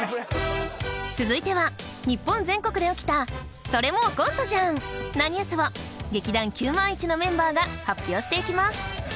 続いては日本全国で起きた「それもうコントじゃんなニュース」を劇団９０００１のメンバーが発表していきます。